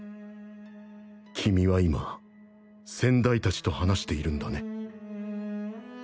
君は今先代達と話しているんだね